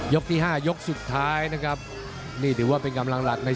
ที่ห้ายกสุดท้ายนะครับนี่ถือว่าเป็นกำลังหลักใน